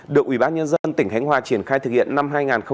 được ủy ban nhân dân tỉnh khánh hòa triển khai thực hiện năm hai nghìn một mươi ba